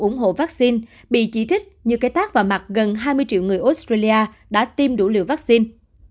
ủng hộ vắc xin bị chỉ trích như cái tác vào mặt gần hai mươi triệu người australia đã tiêm đủ liều vắc xin